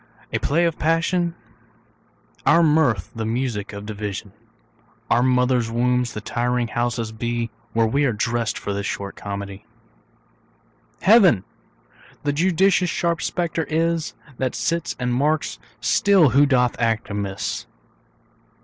A play of passion, Our mirth the music of division, Our mother's wombs the tiring houses be, Where we are dressed for this short comedy. Heaven the judicious sharp spectator is, That sits and marks still who doth act amiss.